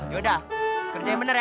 yaudah kerjain bener ya